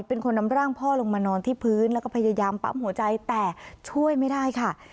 เป็นคนนำร่างพ่อลงมานอนที่พื้นแล้วก็พยายามปั๊มหัวใจแต่ช่วยไม่ได้ค่ะ